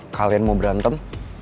kalian mau berantem